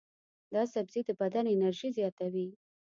دا سبزی د بدن انرژي زیاتوي.